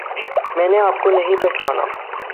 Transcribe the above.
میں نے آپ کو نہیں پہچانا